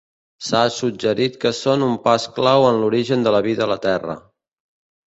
S'ha suggerit que són un pas clau en l'origen de la vida a la Terra.